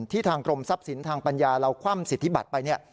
ทางกรมทรัพย์สินทางปัญญาเราคว่ำสิทธิบัตรไปเนี่ย